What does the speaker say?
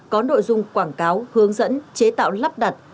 có nội dung quảng cáo hướng dẫn chế tạo lắp đặt